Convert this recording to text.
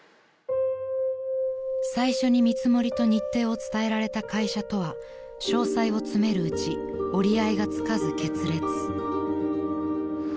［最初に見積もりと日程を伝えられた会社とは詳細を詰めるうち折り合いがつかず決裂］